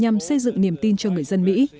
nhằm xây dựng niềm tin cho người dân mỹ